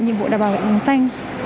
nhiệm vụ đảm bảo vệ nguồn xanh